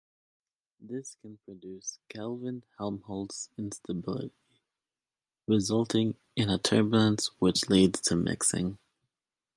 This can produce Kelvin-Helmholtz instability, resulting in a turbulence which leads to mixing.